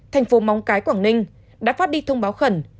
thành phố móng cái quảng ninh đã phát đi thông báo khẩn